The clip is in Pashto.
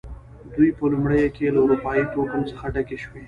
دوی په لومړیو کې له اروپايي توکم څخه ډکې شوې.